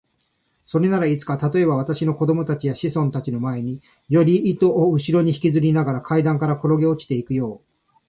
それならいつか、たとえば私の子供たちや子孫たちの前に、より糸をうしろにひきずりながら階段からころげ落ちていくようなことになるのだろうか。